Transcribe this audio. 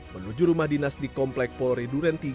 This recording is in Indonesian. menuju rumah dinas di komplek polri duren tiga